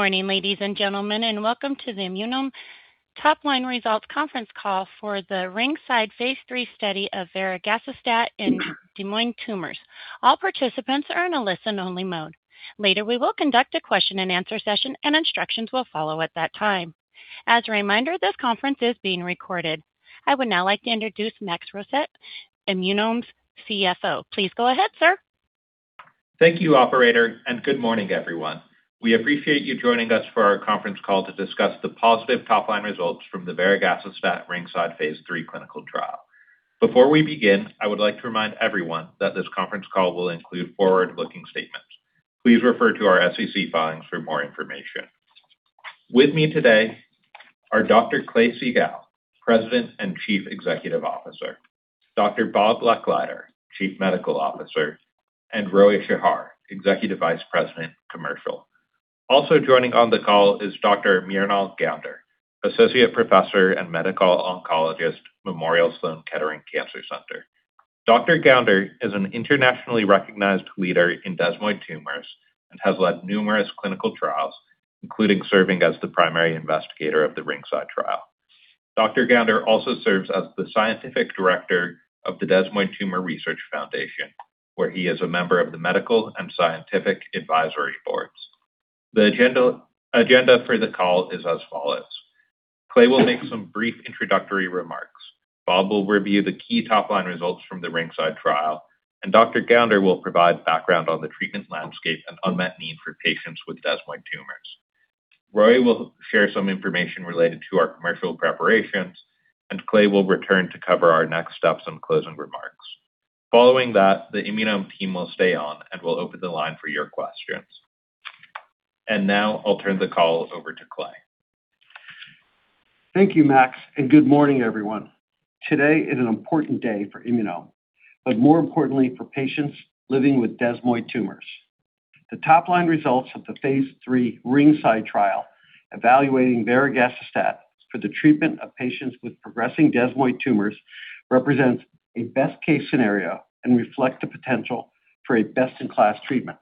Good morning, ladies and gentlemen, and welcome to the Immunome top-line results conference call for the Ringside Phase 3 study of varegacestat in desmoid tumors. All participants are in a listen-only mode. Later, we will conduct a question and answer session, and instructions will follow at that time. As a reminder, this conference is being recorded. I would now like to introduce Max Rosett, Immunome's CFO. Please go ahead, sir. Thank you, Operator, and good morning, everyone. We appreciate you joining us for our conference call to discuss the positive top-line results from the varegacestat Ringside Phase 3 clinical trial. Before we begin, I would like to remind everyone that this conference call will include forward-looking statements. Please refer to our SEC filings for more information. With me today are Dr. Clay Siegall, President and Chief Executive Officer, Dr. Bob Lechleider, Chief Medical Officer, and Roee Shahar, Executive Vice President, Chief Commercial Officer. Also joining on the call is Dr. Mrinal Gounder, Associate Professor and Medical Oncologist, Memorial Sloan Kettering Cancer Center. Dr. Gounder is an internationally recognized leader in desmoid tumors and has led numerous clinical trials, including serving as the primary investigator of the Ringside trial. Dr. Gounder also serves as the Scientific Director of the Desmoid Tumor Research Foundation, where he is a member of the Medical and Scientific Advisory Boards. The agenda for the call is as follows. Clay will make some brief introductory remarks. Bob will review the key top-line results from the Ringside trial, and Dr. Gounder will provide background on the treatment landscape and unmet need for patients with desmoid tumors. Roee will share some information related to our commercial preparations, and Clay will return to cover our next steps and closing remarks. Following that, the Immunome team will stay on and will open the line for your questions. Now, I'll turn the call over to Clay. Thank you, Max, and good morning, everyone. Today is an important day for Immunome, but more importantly, for patients living with desmoid tumors. The top-line results of the Phase 3 Ringside trial evaluating varegacestat for the treatment of patients with progressing desmoid tumors represent a best-case scenario and reflect the potential for a best-in-class treatment.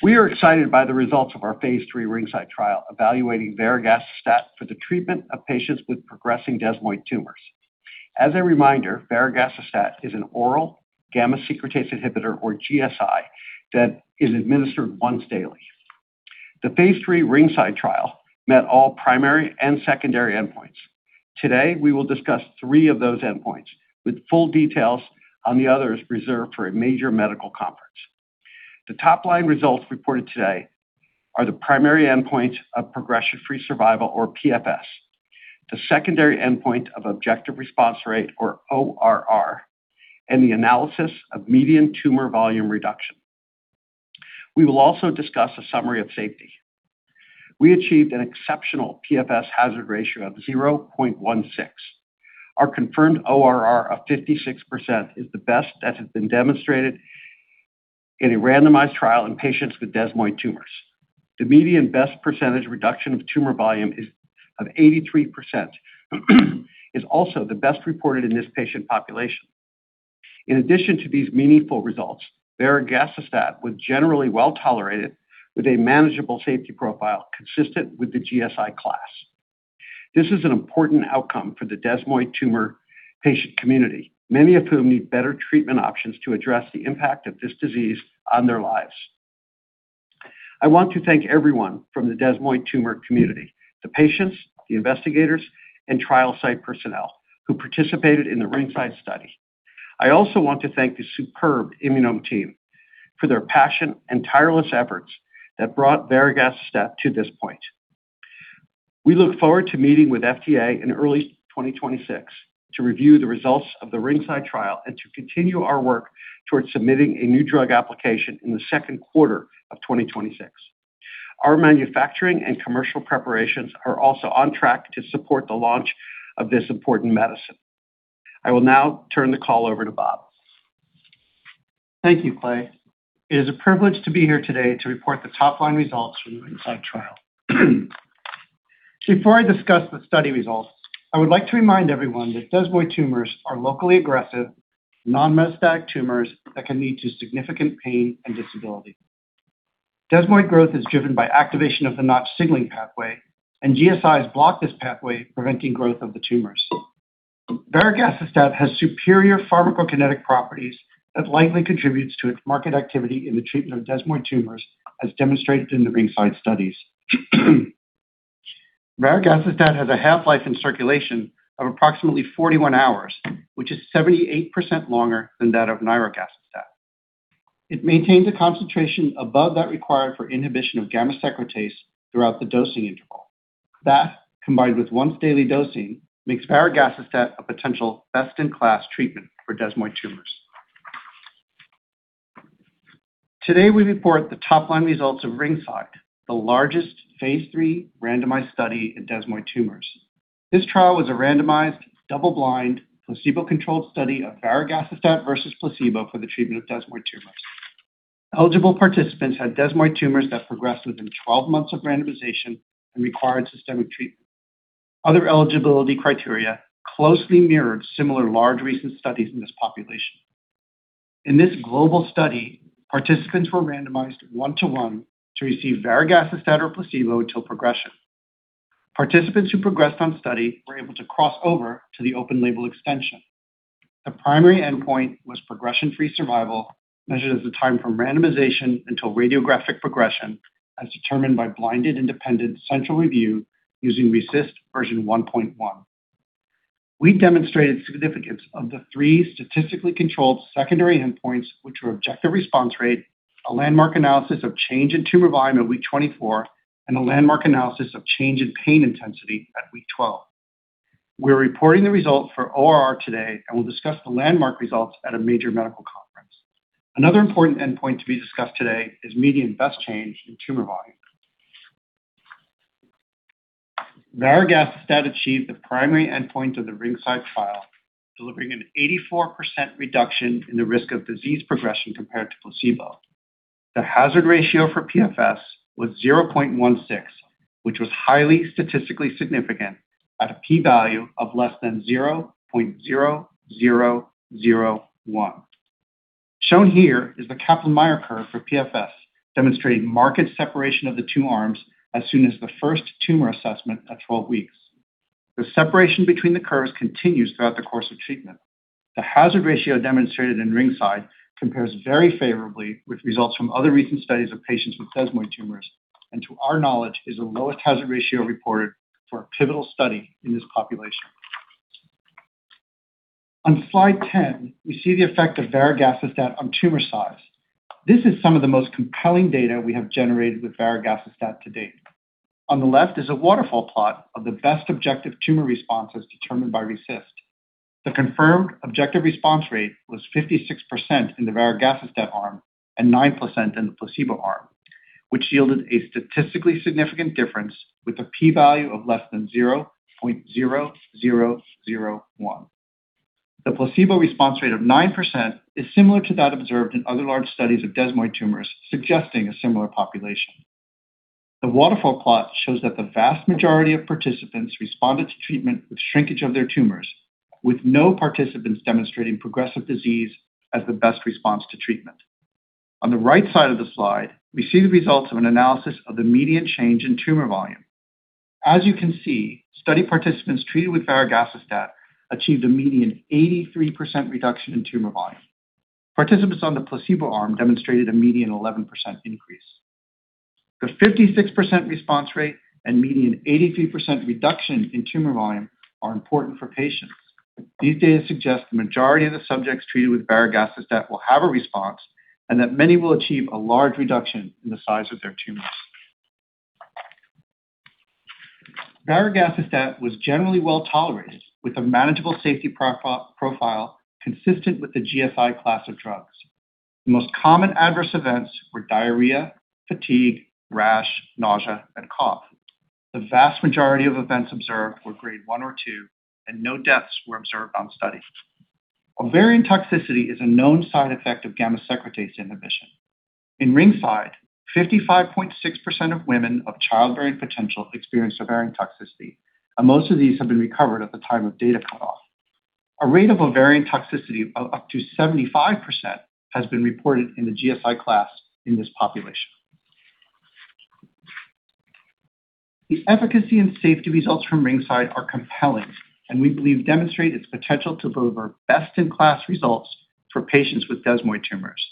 We are excited by the results of our Phase 3 Ringside trial evaluating varegacestat for the treatment of patients with progressing desmoid tumors. As a reminder, varegacestat is an oral gamma secretase inhibitor, or GSI, that is administered once daily. The Phase 3 Ringside trial met all primary and secondary endpoints. Today, we will discuss three of those endpoints, with full details on the others reserved for a major medical conference. The top-line results reported today are the primary endpoints of progression-free survival, or PFS, the secondary endpoint of objective response rate, or ORR, and the analysis of median tumor volume reduction. We will also discuss a summary of safety. We achieved an exceptional PFS hazard ratio of 0.16. Our confirmed ORR of 56% is the best that has been demonstrated in a randomized trial in patients with desmoid tumors. The median best percentage reduction of tumor volume of 83% is also the best reported in this patient population. In addition to these meaningful results, varegacestat was generally well tolerated, with a manageable safety profile consistent with the GSI class. This is an important outcome for the desmoid tumor patient community, many of whom need better treatment options to address the impact of this disease on their lives. I want to thank everyone from the desmoid tumor community: the patients, the investigators, and trial site personnel who participated in the Ringside study. I also want to thank the superb Immunome team for their passion and tireless efforts that brought varegacestat to this point. We look forward to meeting with FDA in early 2026 to review the results of the Ringside trial and to continue our work towards submitting a New Drug Application in the second quarter of 2026. Our manufacturing and commercial preparations are also on track to support the launch of this important medicine. I will now turn the call over to Bob. Thank you, Clay. It is a privilege to be here today to report the top-line results from the Ringside trial. Before I discuss the study results, I would like to remind everyone that desmoid tumors are locally aggressive, non-metastatic tumors that can lead to significant pain and disability. Desmoid growth is driven by activation of the Notch signaling pathway, and GSIs block this pathway, preventing growth of the tumors. Varegacestat has superior pharmacokinetic properties that likely contribute to its market activity in the treatment of desmoid tumors, as demonstrated in the Ringside studies. Varegacestat has a half-life in circulation of approximately 41 hours, which is 78% longer than that of nirogacestat. It maintains a concentration above that required for inhibition of gamma secretase throughout the dosing interval. That, combined with once-daily dosing, makes varegacestat a potential best-in-class treatment for desmoid tumors. Today, we report the top-line results of Ringside, the largest Phase 3 randomized study in desmoid tumors. This trial was a randomized, double-blind, placebo-controlled study of varegacestat versus placebo for the treatment of desmoid tumors. Eligible participants had desmoid tumors that progressed within 12 months of randomization and required systemic treatment. Other eligibility criteria closely mirrored similar large recent studies in this population. In this global study, participants were randomized one-to-one to receive varegacestat or placebo until progression. Participants who progressed on study were able to cross over to the open-label extension. The primary endpoint was progression-free survival, measured as the time from randomization until radiographic progression, as determined by blinded independent central review using RECIST version 1.1. We demonstrated significance of the three statistically controlled secondary endpoints, which were objective response rate, a landmark analysis of change in tumor volume at week 24, and a landmark analysis of change in pain intensity at week 12. We're reporting the results for ORR today and will discuss the landmark results at a major medical conference. Another important endpoint to be discussed today is median best change in tumor volume. Varegacestat achieved the primary endpoint of the Ringside trial, delivering an 84% reduction in the risk of disease progression compared to placebo. The hazard ratio for PFS was 0.16, which was highly statistically significant at a p-value of less than 0.0001. Shown here is the Kaplan-Meier curve for PFS, demonstrating marked separation of the two arms as soon as the first tumor assessment at 12 weeks. The separation between the curves continues throughout the course of treatment. The hazard ratio demonstrated in Ringside compares very favorably with results from other recent studies of patients with desmoid tumors, and to our knowledge, is the lowest hazard ratio reported for a pivotal study in this population. On slide 10, we see the effect of varegacestat on tumor size. This is some of the most compelling data we have generated with varegacestat to date. On the left is a waterfall plot of the best objective tumor responses determined by RECIST. The confirmed objective response rate was 56% in the varegacestat arm and 9% in the placebo arm, which yielded a statistically significant difference with a p-value of less than 0.0001. The placebo response rate of 9% is similar to that observed in other large studies of desmoid tumors, suggesting a similar population. The waterfall plot shows that the vast majority of participants responded to treatment with shrinkage of their tumors, with no participants demonstrating progressive disease as the best response to treatment. On the right side of the slide, we see the results of an analysis of the median change in tumor volume. As you can see, study participants treated with varegacestat achieved a median 83% reduction in tumor volume. Participants on the placebo arm demonstrated a median 11% increase. The 56% response rate and median 83% reduction in tumor volume are important for patients. These data suggest the majority of the subjects treated with varegacestat will have a response and that many will achieve a large reduction in the size of their tumors. varegacestat was generally well tolerated, with a manageable safety profile consistent with the GSI class of drugs. The most common adverse events were diarrhea, fatigue, rash, nausea, and cough. The vast majority of events observed were Grade 1 or 2, and no deaths were observed on study. Ovarian toxicity is a known side effect of gamma secretase inhibition. In Ringside, 55.6% of women of childbearing potential experienced ovarian toxicity, and most of these have been recovered at the time of data cutoff. A rate of ovarian toxicity of up to 75% has been reported in the GSI class in this population. The efficacy and safety results from Ringside are compelling, and we believe demonstrate its potential to deliver best-in-class results for patients with desmoid tumors.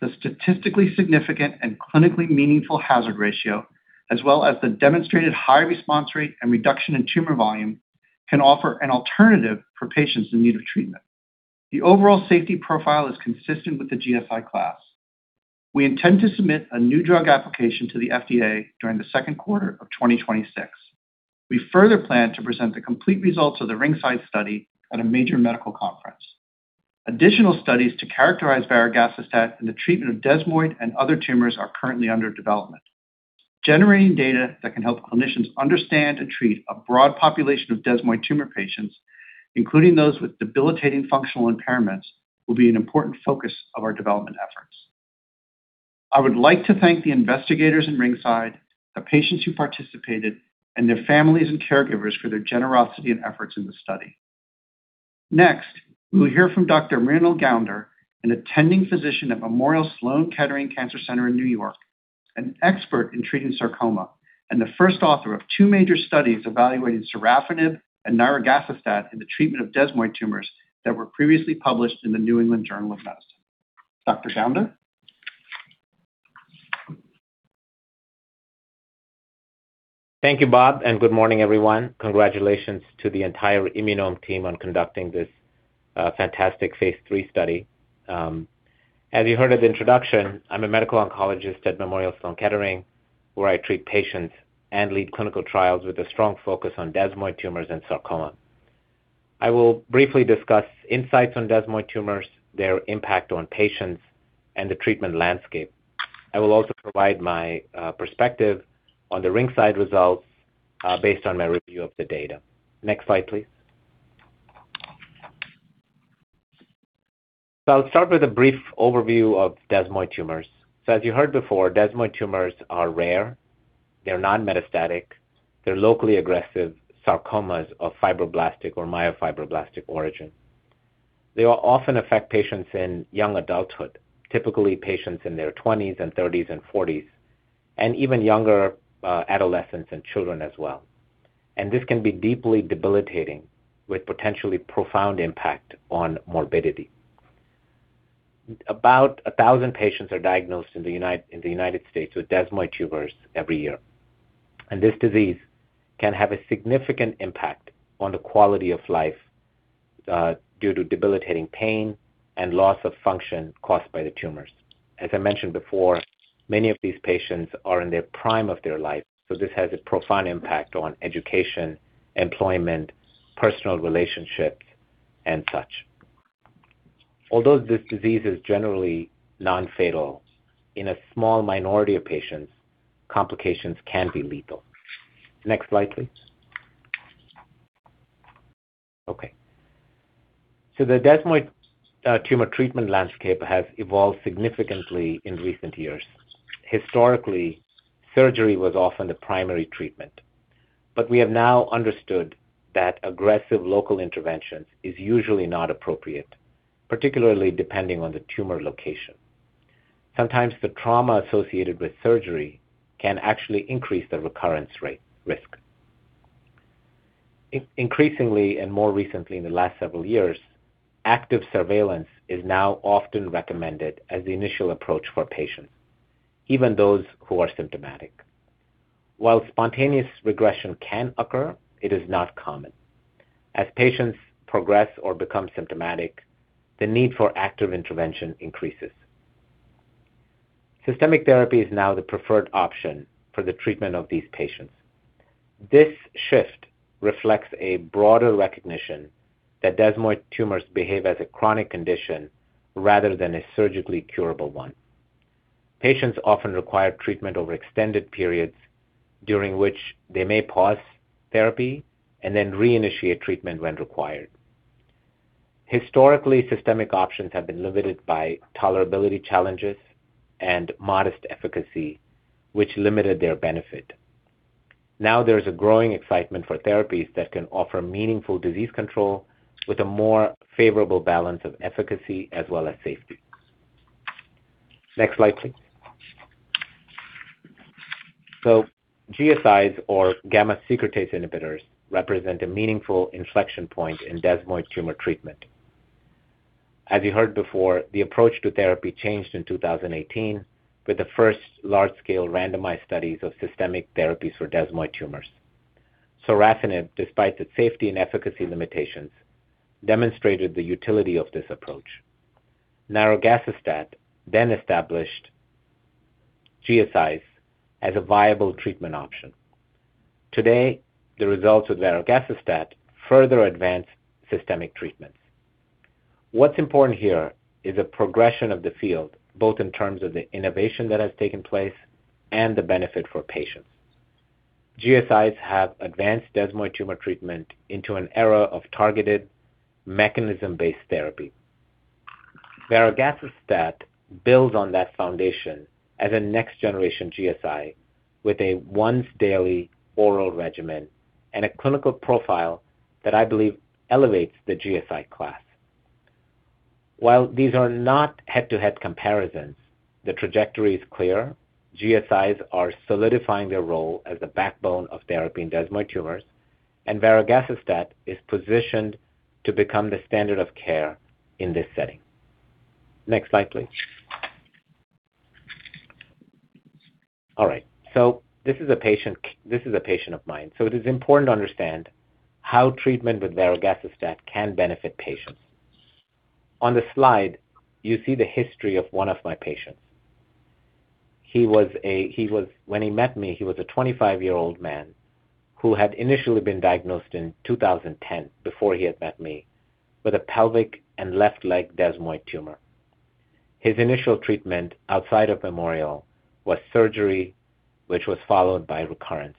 The statistically significant and clinically meaningful hazard ratio, as well as the demonstrated high response rate and reduction in tumor volume, can offer an alternative for patients in need of treatment. The overall safety profile is consistent with the GSI class. We intend to submit a new drug application to the FDA during the second quarter of 2026. We further plan to present the complete results of the Ringside study at a major medical conference. Additional studies to characterize varegacestat in the treatment of desmoid and other tumors are currently under development. Generating data that can help clinicians understand and treat a broad population of desmoid tumor patients, including those with debilitating functional impairments, will be an important focus of our development efforts. I would like to thank the investigators in Ringside, the patients who participated, and their families and caregivers for their generosity and efforts in the study. Next, we will hear from Dr. Mrinal Gounder, an attending physician at Memorial Sloan Kettering Cancer Center in New York, an expert in treating sarcoma and the first author of two major studies evaluating sorafenib and nirogacestat in the treatment of desmoid tumors that were previously published in the New England Journal of Medicine. Dr. Gounder. Thank you, Bob, and good morning, everyone. Congratulations to the entire Immunome team on conducting this fantastic Phase 3 study. As you heard at the introduction, I'm a medical oncologist at Memorial Sloan Kettering, where I treat patients and lead clinical trials with a strong focus on desmoid tumors and sarcoma. I will briefly discuss insights on desmoid tumors, their impact on patients, and the treatment landscape. I will also provide my perspective on the Ringside results based on my review of the data. Next slide, please. I'll start with a brief overview of desmoid tumors. As you heard before, desmoid tumors are rare. They're non-metastatic. They're locally aggressive sarcomas of fibroblastic or myofibroblastic origin. They will often affect patients in young adulthood, typically patients in their 20s and 30s and 40s, and even younger adolescents and children as well. This can be deeply debilitating, with potentially profound impact on morbidity. About 1,000 patients are diagnosed in the United States with desmoid tumors every year. This disease can have a significant impact on the quality of life due to debilitating pain and loss of function caused by the tumors. As I mentioned before, many of these patients are in their prime of their life, so this has a profound impact on education, employment, personal relationships, and such. Although this disease is generally non-fatal, in a small minority of patients, complications can be lethal. Next slide, please. Okay. The desmoid tumor treatment landscape has evolved significantly in recent years. Historically, surgery was often the primary treatment, but we have now understood that aggressive local interventions are usually not appropriate, particularly depending on the tumor location. Sometimes the trauma associated with surgery can actually increase the recurrence risk. Increasingly and more recently in the last several years, active surveillance is now often recommended as the initial approach for patients, even those who are symptomatic. While spontaneous regression can occur, it is not common. As patients progress or become symptomatic, the need for active intervention increases. Systemic therapy is now the preferred option for the treatment of these patients. This shift reflects a broader recognition that desmoid tumors behave as a chronic condition rather than a surgically curable one. Patients often require treatment over extended periods, during which they may pause therapy and then reinitiate treatment when required. Historically, systemic options have been limited by tolerability challenges and modest efficacy, which limited their benefit. Now there is a growing excitement for therapies that can offer meaningful disease control with a more favorable balance of efficacy as well as safety. Next slide, please. So GSIs, or gamma secretase inhibitors, represent a meaningful inflection point in desmoid tumor treatment. As you heard before, the approach to therapy changed in 2018 with the first large-scale randomized studies of systemic therapies for desmoid tumors. Sorafenib, despite its safety and efficacy limitations, demonstrated the utility of this approach. Nirogacestat then established GSIs as a viable treatment option. Today, the results of nirogacestat further advance systemic treatments. What's important here is a progression of the field, both in terms of the innovation that has taken place and the benefit for patients. GSIs have advanced desmoid tumor treatment into an era of targeted, mechanism-based therapy. Varegacestat builds on that foundation as a next-generation GSI with a once-daily oral regimen and a clinical profile that I believe elevates the GSI class. While these are not head-to-head comparisons, the trajectory is clear. GSIs are solidifying their role as the backbone of therapy in desmoid tumors, and varegacestat is positioned to become the standard of care in this setting. Next slide, please. All right. So this is a patient of mine. So it is important to understand how treatment with varegacestat can benefit patients. On the slide, you see the history of one of my patients. When he met me, he was a 25-year-old man who had initially been diagnosed in 2010, before he had met me, with a pelvic and left leg desmoid tumor. His initial treatment outside of Memorial was surgery, which was followed by recurrence.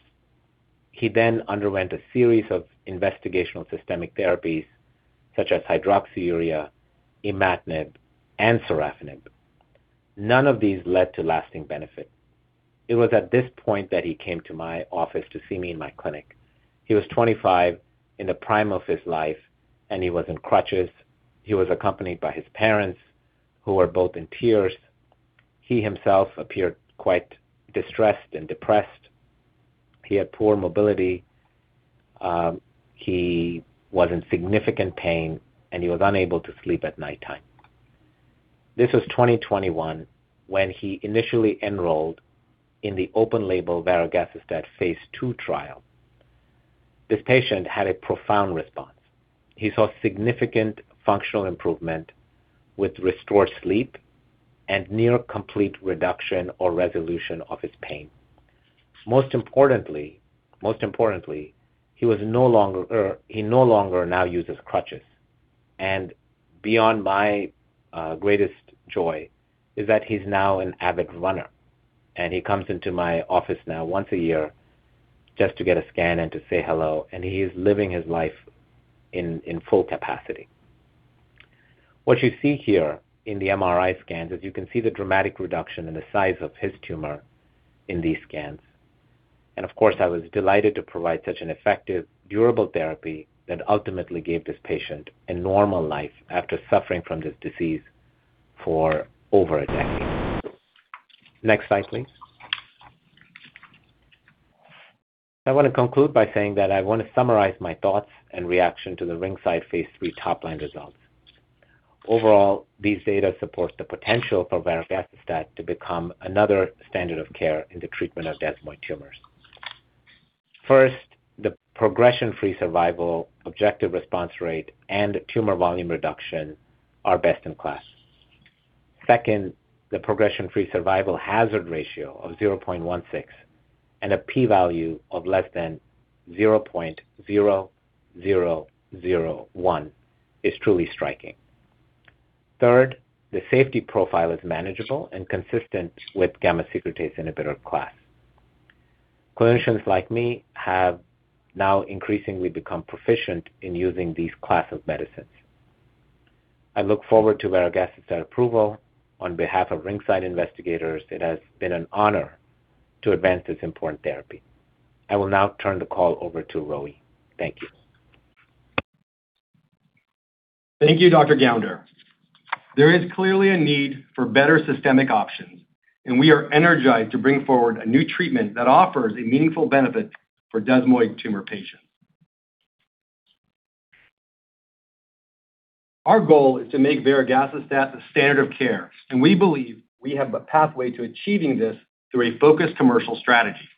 He then underwent a series of investigational systemic therapies, such as hydroxyurea, imatinib, and sorafenib. None of these led to lasting benefit. It was at this point that he came to my office to see me in my clinic. He was 25 in the prime of his life, and he was in crutches. He was accompanied by his parents, who were both in tears. He himself appeared quite distressed and depressed. He had poor mobility. He was in significant pain, and he was unable to sleep at nighttime. This was 2021 when he initially enrolled in the open-label varegacestat Phase 2 trial. This patient had a profound response. He saw significant functional improvement with restored sleep and near complete reduction or resolution of his pain. Most importantly, he no longer now uses crutches, and beyond my greatest joy is that he's now an avid runner, and he comes into my office now once a year just to get a scan and to say hello, and he is living his life in full capacity. What you see here in the MRI scans is you can see the dramatic reduction in the size of his tumor in these scans. And of course, I was delighted to provide such an effective, durable therapy that ultimately gave this patient a normal life after suffering from this disease for over a decade. Next slide, please. I want to conclude by saying that I want to summarize my thoughts and reaction to the Ringside Phase 3 top-line results. Overall, these data support the potential for varegacestat to become another standard of care in the treatment of desmoid tumors. First, the progression-free survival, objective response rate, and tumor volume reduction are best in class. Second, the progression-free survival hazard ratio of 0.16 and a p-value of less than 0.0001 is truly striking. Third, the safety profile is manageable and consistent with gamma secretase inhibitor class. Clinicians like me have now increasingly become proficient in using these classes of medicines. I look forward to varegacestat approval. On behalf of Ringside investigators, it has been an honor to advance this important therapy. I will now turn the call over to Roee. Thank you. Thank you, Dr. Gounder. There is clearly a need for better systemic options, and we are energized to bring forward a new treatment that offers a meaningful benefit for desmoid tumor patients. Our goal is to make varegacestat the standard of care, and we believe we have a pathway to achieving this through a focused commercial strategy.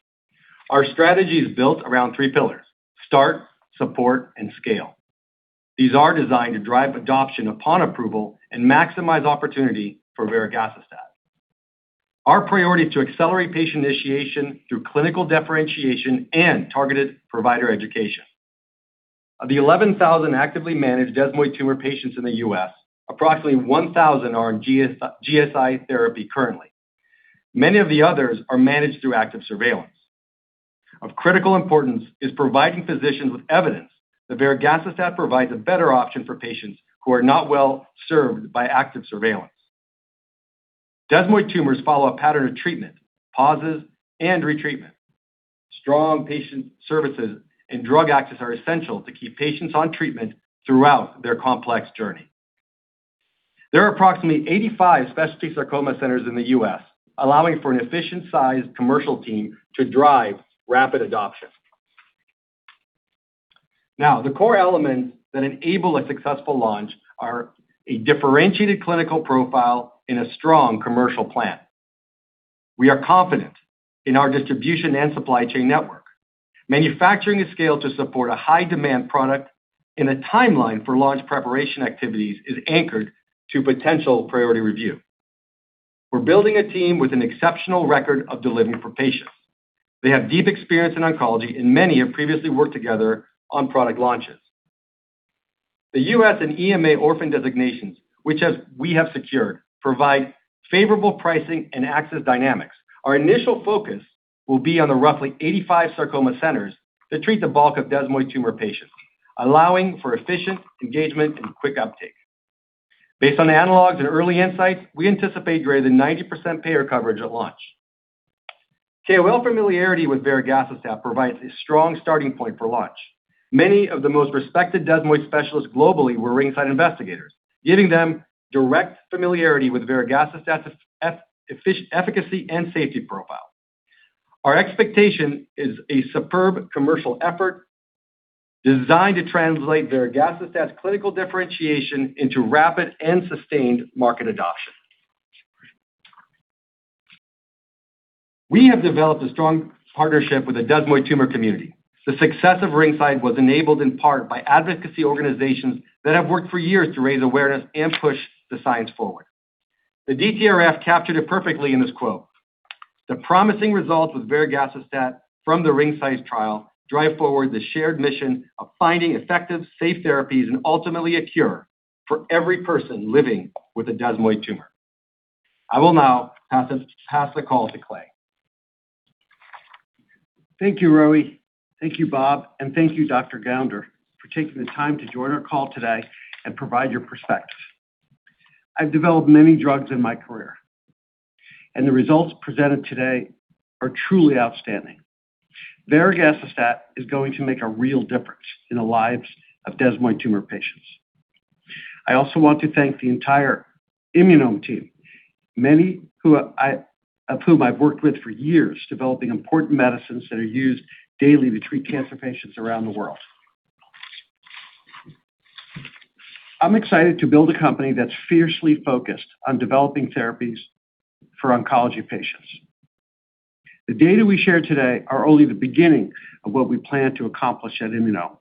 Our strategy is built around three pillars: start, support, and scale. These are designed to drive adoption upon approval and maximize opportunity for varegacestat. Our priority is to accelerate patient initiation through clinical differentiation and targeted provider education. Of the 11,000 actively managed desmoid tumor patients in the U.S., approximately 1,000 are on GSI therapy currently. Many of the others are managed through active surveillance. Of critical importance is providing physicians with evidence that varegacestat provides a better option for patients who are not well served by active surveillance. Desmoid tumors follow a pattern of treatment, pauses, and retreatment. Strong patient services and drug access are essential to keep patients on treatment throughout their complex journey. There are approximately 85 specialty sarcoma centers in the U.S., allowing for an efficient-sized commercial team to drive rapid adoption. Now, the core elements that enable a successful launch are a differentiated clinical profile and a strong commercial plan. We are confident in our distribution and supply chain network. Manufacturing is scaled to support a high-demand product, and the timeline for launch preparation activities is anchored to potential priority review. We're building a team with an exceptional record of delivering for patients. They have deep experience in oncology and many have previously worked together on product launches. The U.S. and EMA orphan designations, which we have secured, provide favorable pricing and access dynamics. Our initial focus will be on the roughly 85 sarcoma centers that treat the bulk of desmoid tumor patients, allowing for efficient engagement and quick uptake. Based on the analogs and early insights, we anticipate greater than 90% payer coverage at launch. KOL familiarity with varegacestat provides a strong starting point for launch. Many of the most respected desmoid specialists globally were Ringside investigators, giving them direct familiarity with varegacestat efficacy and safety profile. Our expectation is a superb commercial effort designed to translate varegacestat clinical differentiation into rapid and sustained market adoption. We have developed a strong partnership with the desmoid tumor community. The success of Ringside was enabled in part by advocacy organizations that have worked for years to raise awareness and push the science forward. The DTRF captured it perfectly in this quote. The promising results with varegacestat from the Ringside trial drive forward the shared mission of finding effective, safe therapies and ultimately a cure for every person living with a desmoid tumor. I will now pass the call to Clay. Thank you, Roee. Thank you, Bob, and thank you, Dr. Gounder, for taking the time to join our call today and provide your perspective. I've developed many drugs in my career, and the results presented today are truly outstanding. varegacestat is going to make a real difference in the lives of desmoid tumor patients. I also want to thank the entire Immunome team, many of whom I've worked with for years developing important medicines that are used daily to treat cancer patients around the world. I'm excited to build a company that's fiercely focused on developing therapies for oncology patients. The data we share today are only the beginning of what we plan to accomplish at Immunome.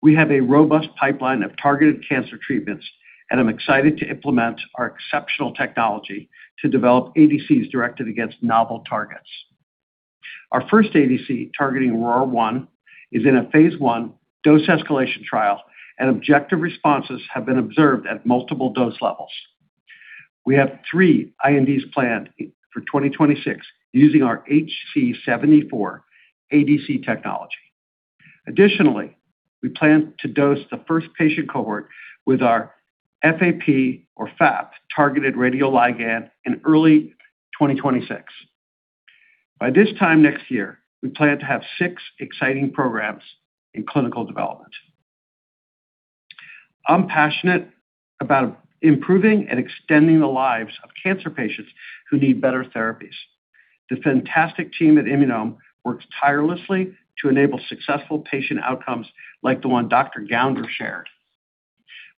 We have a robust pipeline of targeted cancer treatments, and I'm excited to implement our exceptional technology to develop ADCs directed against novel targets. Our first ADC targeting ROR1 is in a Phase 1 dose escalation trial, and objective responses have been observed at multiple dose levels. We have three INDs planned for 2026 using our HC74 ADC technology. Additionally, we plan to dose the first patient cohort with our FAP, or FAP, targeted radioligand in early 2026. By this time next year, we plan to have six exciting programs in clinical development. I'm passionate about improving and extending the lives of cancer patients who need better therapies. The fantastic team at Immunome works tirelessly to enable successful patient outcomes like the one Dr. Gounder shared.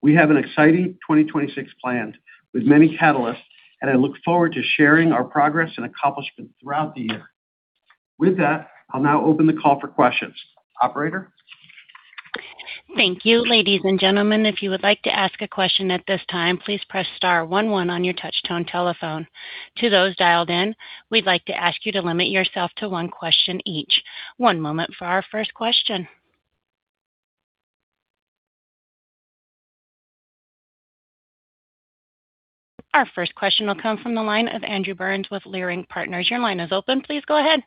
We have an exciting 2026 planned with many catalysts, and I look forward to sharing our progress and accomplishments throughout the year. With that, I'll now open the call for questions. Operator? Thank you. Ladies and gentlemen, if you would like to ask a question at this time, please press star 11 on your touch-tone telephone. To those dialed in, we'd like to ask you to limit yourself to one question each. One moment for our first question. Our first question will come from the line of Andrew Berens with Leerink Partners. Your line is open. Please go ahead.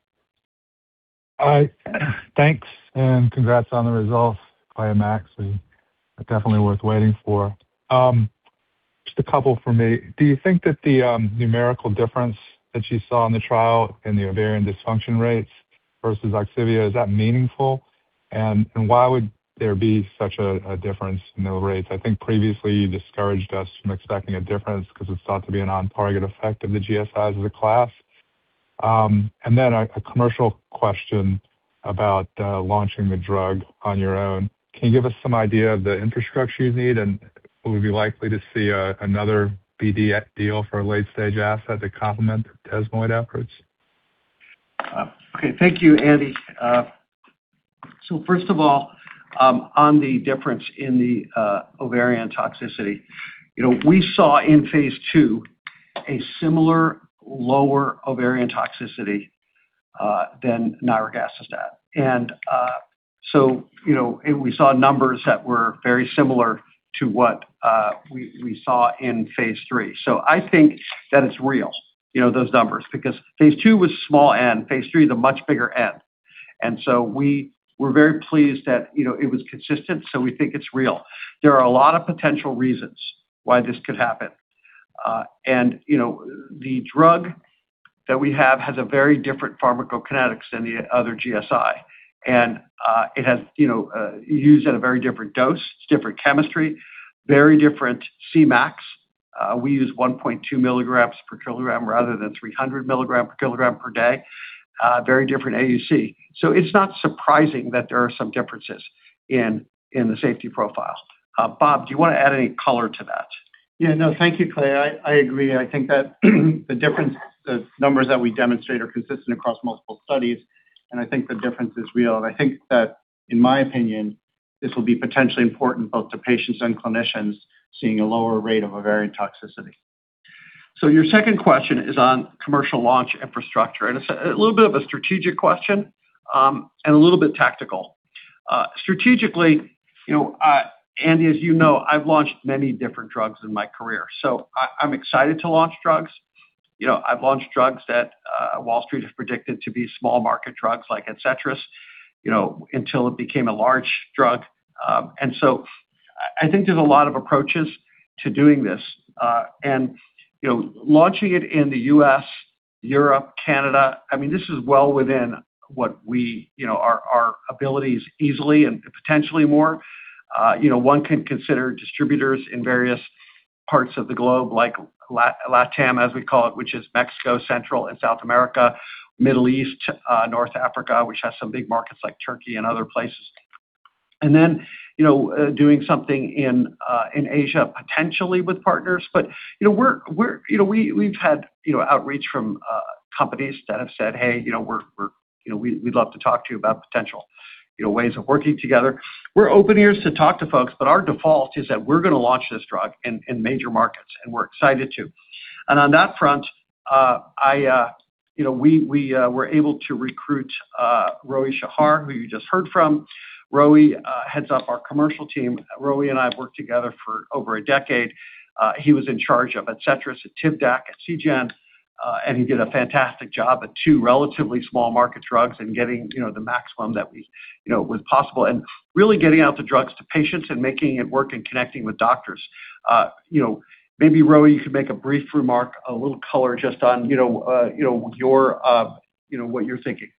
Thanks, and congrats on the results. Clay and Max. Definitely worth waiting for. Just a couple for me. Do you think that the numerical difference that you saw in the trial in the ovarian dysfunction rates versus Ogsiveo is that meaningful? And why would there be such a difference in the rates? I think previously you discouraged us from expecting a difference because it's thought to be an on-target effect of the GSIs as a class. And then a commercial question about launching the drug on your own. Can you give us some idea of the infrastructure you need, and will we be likely to see another BD deal for a late-stage asset that complements desmoid efforts? Okay. Thank you, Andy. So first of all, on the difference in the ovarian toxicity, we saw in Phase 2 a similar lower ovarian toxicity than nirogacestat. And so we saw numbers that were very similar to what we saw in Phase 3. So I think that it's real, those numbers, because Phase 2 was small N, Phase 3, the much bigger N. And so we were very pleased that it was consistent, so we think it's real. There are a lot of potential reasons why this could happen. And the drug that we have has a very different pharmacokinetics than the other GSI, and it has used at a very different dose. It's different chemistry, very different Cmax. We use 1.2 milligrams per kilogram rather than 300 milligrams per kilogram per day, very different AUC. So it's not surprising that there are some differences in the safety profile. Bob, do you want to add any color to that? Yeah. No, thank you, Clay. I agree. I think that the numbers that we demonstrate are consistent across multiple studies, and I think the difference is real. And I think that, in my opinion, this will be potentially important both to patients and clinicians seeing a lower rate of ovarian toxicity. Your second question is on commercial launch infrastructure. And it's a little bit of a strategic question and a little bit tactical. Strategically, Andy, as you know, I've launched many different drugs in my career. So I'm excited to launch drugs. I've launched drugs that Wall Street has predicted to be small market drugs like Adcetris until it became a large drug. And so I think there's a lot of approaches to doing this. And launching it in the U.S., Europe, Canada, I mean, this is well within our abilities easily and potentially more. One can consider distributors in various parts of the globe, like LATAM, as we call it, which is Mexico, Central and South America, Middle East, North Africa, which has some big markets like Turkey and other places. And then doing something in Asia potentially with partners. But we've had outreach from companies that have said, "Hey, we'd love to talk to you about potential ways of working together." We're open ears to talk to folks, but our default is that we're going to launch this drug in major markets, and we're excited to. And on that front, we were able to recruit Roee Shahar, who you just heard from. Roee, heads up our commercial team. Roee and I have worked together for over a decade. He was in charge of Adcetris at Tivdak at Seagen, and he did a fantastic job at two relatively small market drugs and getting the maximum that was possible and really getting out the drugs to patients and making it work and connecting with doctors. Maybe, Roee, you could make a brief remark, a little color just on what you're thinking.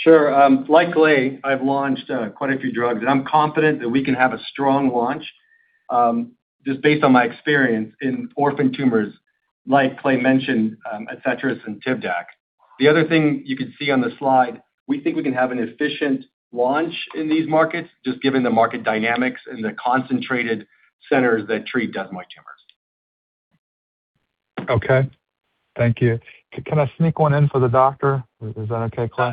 Sure. Like Roy, I've launched quite a few drugs, and I'm confident that we can have a strong launch just based on my experience in orphan tumors like Clay mentioned, Adcetris and Tivdak. The other thing you can see on the slide, we think we can have an efficient launch in these markets just given the market dynamics and the concentrated centers that treat desmoid tumors. Okay. Thank you. Can I sneak one in for the doctor? Is that okay, Clay?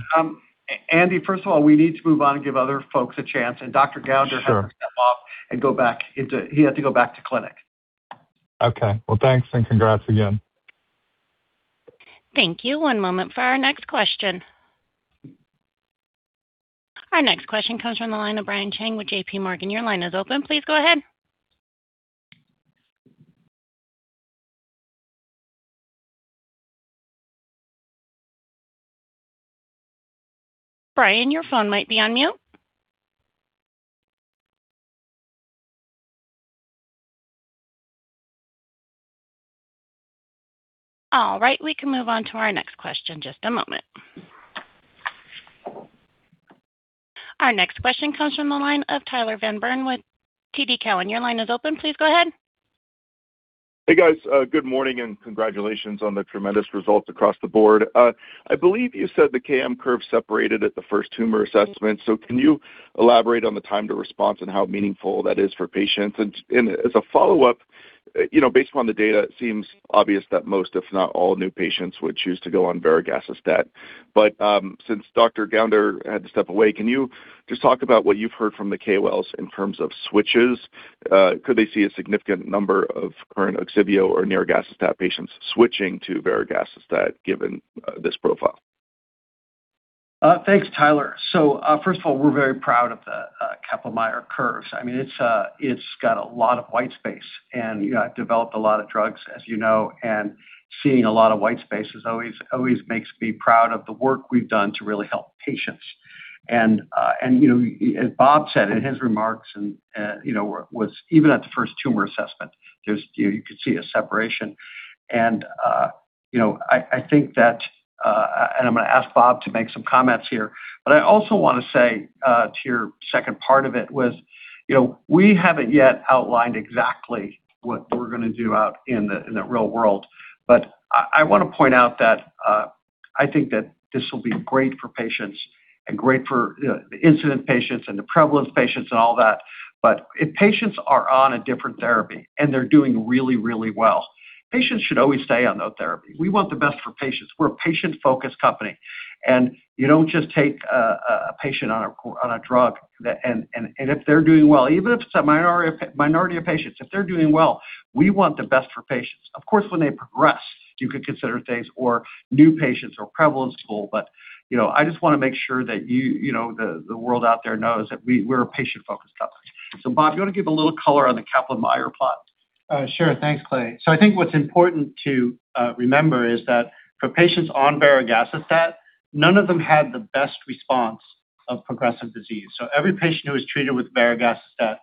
Andy, first of all, we need to move on and give other folks a chance, and Dr. Gounder has to step off and go back into, he had to go back to clinic. Okay, well, thanks, and congrats again. Thank you. One moment for our next question. Our next question comes from the line of Brian Cheng with J.P. Morgan. Your line is open. Please go ahead. Brian, your phone might be on mute. All right. We can move on to our next question. Just a moment. Our next question comes from the line of Tyler Van Buren with TD Cowen. Your line is open. Please go ahead. Hey, guys. Good morning and congratulations on the tremendous results across the board. I believe you said the KM curve separated at the first tumor assessment. So can you elaborate on the time to response and how meaningful that is for patients? And as a follow-up, based upon the data, it seems obvious that most, if not all, new patients would choose to go on varegacestat. But since Dr. Gounder had to step away, can you just talk about what you've heard from the KOLs in terms of switches? Could they see a significant number of current Ogsiveo or nirogacestat patients switching to varegacestat given this profile? Thanks, Tyler. So first of all, we're very proud of the Kaplan-Meier curves. I mean, it's got a lot of white space, and I've developed a lot of drugs, as you know, and seeing a lot of white space always makes me proud of the work we've done to really help patients. And as Bob said in his remarks, even at the first tumor assessment, you could see a separation. And I think that—and I'm going to ask Bob to make some comments here—but I also want to say to your second part of it was we haven't yet outlined exactly what we're going to do out in the real world. But I want to point out that I think that this will be great for patients and great for the incidence patients and the prevalence patients and all that. But if patients are on a different therapy and they're doing really, really well, patients should always stay on those therapies. We want the best for patients. We're a patient-focused company, and you don't just take a patient on a drug, and if they're doing well, even if it's a minority of patients, if they're doing well, we want the best for patients. Of course, when they progress, you could consider things or new patients or prevalence goal. But I just want to make sure that the world out there knows that we're a patient-focused company. So Bob, do you want to give a little color on the Kaplan-Meier plot? Sure. Thanks, Clay. So I think what's important to remember is that for patients on varegacestat, none of them had the best response of progressive disease. So every patient who was treated with varegacestat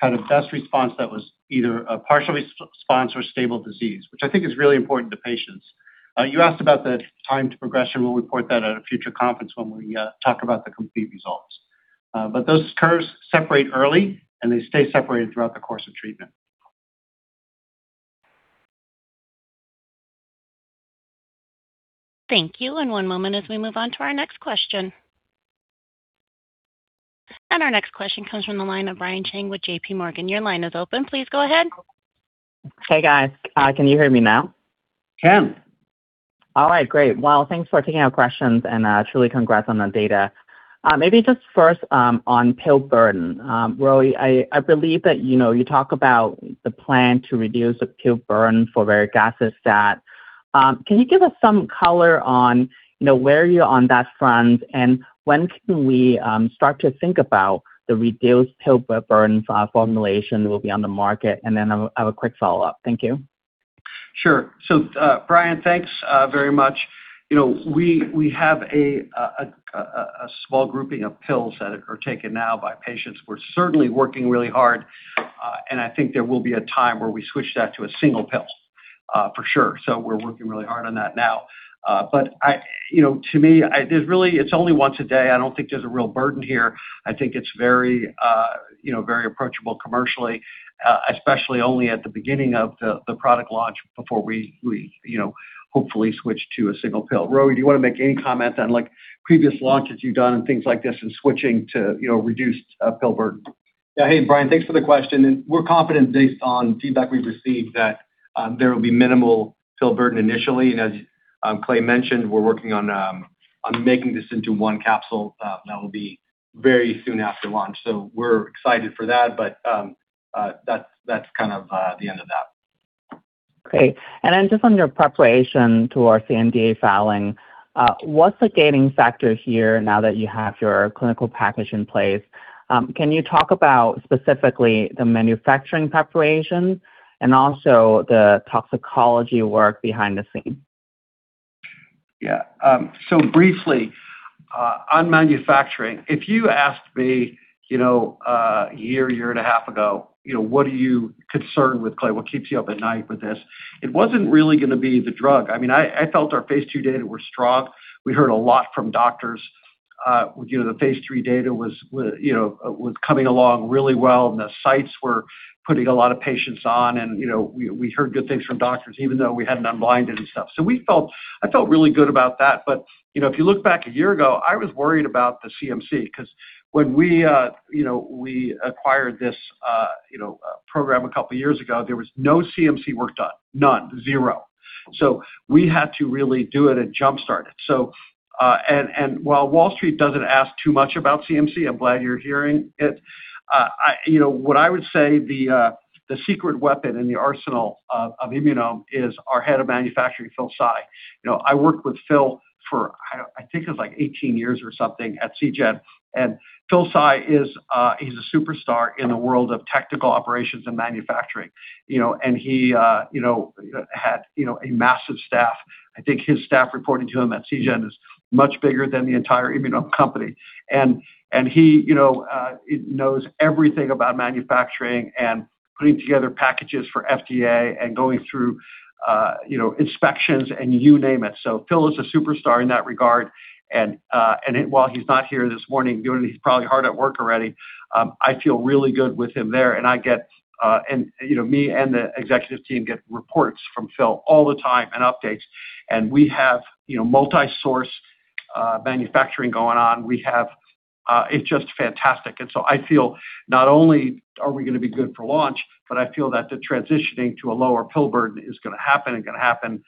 had a best response that was either a partial response or stable disease, which I think is really important to patients. You asked about the time to progression. We'll report that at a future conference when we talk about the complete results. But those curves separate early, and they stay separated throughout the course of treatment. Thank you. And one moment as we move on to our next question. And our next question comes from the line of Brian Cheng with J.P. Morgan. Your line is open. Please go ahead. Hey, guys. Can you hear me now? Can. All right. Great. Well, thanks for taking our questions, and truly congrats on the data. Maybe just first on pill burden. Roee, I believe that you talk about the plan to reduce the pill burden for varegacestat. Can you give us some color on where you're on that front, and when can we start to think about the reduced pill burden formulation that will be on the market? And then I have a quick follow-up. Thank you. Sure. So Brian, thanks very much. We have a small grouping of pills that are taken now by patients. We're certainly working really hard, and I think there will be a time where we switch that to a single pill for sure. So we're working really hard on that now. But to me, it's only once a day. I don't think there's a real burden here. I think it's very approachable commercially, especially only at the beginning of the product launch before we hopefully switch to a single pill. Roee, do you want to make any comment on previous launches you've done and things like this and switching to reduced pill burden? Yeah. Hey, Brian, thanks for the question. And we're confident based on feedback we've received that there will be minimal pill burden initially. And as Clay mentioned, we're working on making this into one capsule that will be very soon after launch. So we're excited for that, but that's kind of the end of that. Okay, and then just on your preparation towards the NDA filing, what's the gating factor here now that you have your clinical package in place? Can you talk about specifically the manufacturing preparation and also the toxicology work behind the scenes? Yeah. So briefly, on manufacturing, if you asked me a year, year and a half ago, "What are you concerned with, Clay? What keeps you up at night with this?" it wasn't really going to be the drug. I mean, I felt our phase two data were strong. We heard a lot from doctors. The phase three data was coming along really well, and the sites were putting a lot of patients on, and we heard good things from doctors, even though we hadn't unblinded and stuff. So I felt really good about that. But if you look back a year ago, I was worried about the CMC because when we acquired this program a couple of years ago, there was no CMC work done. None. Zero. So we had to really do it and jump-start it. And while Wall Street doesn't ask too much about CMC, I'm glad you're hearing it. What I would say the secret weapon and the arsenal of Immunome is our head of manufacturing, Philippe Tsai. I worked with Phil for, I think it was like 18 years or something at CGEN. And Philippe Tsai, he's a superstar in the world of technical operations and manufacturing. And he had a massive staff. I think his staff reporting to him at CGEN is much bigger than the entire Immunome company. And he knows everything about manufacturing and putting together packages for FDA and going through inspections and you name it. So Phil is a superstar in that regard. And while he's not here this morning, he's probably hard at work already. I feel really good with him there. And me and the executive team get reports from Phil all the time and updates. We have multi-source manufacturing going on. It's just fantastic. I feel not only are we going to be good for launch, but I feel that the transitioning to a lower pill burden is going to happen and going to happen